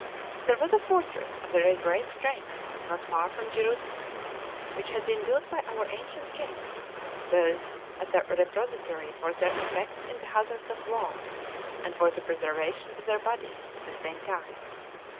There was a fortress of very great strength not far from Jerusalem, which had been built by our ancient kings, both as a repository for their effects in the hazards of war, and for the preservation of their bodies at the same time.